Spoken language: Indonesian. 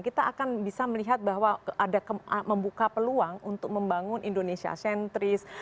kita akan bisa melihat bahwa ada membuka peluang untuk membangun indonesia sentris